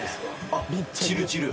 あっチルチル。